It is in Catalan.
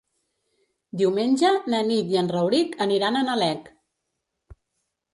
Diumenge na Nit i en Rauric aniran a Nalec.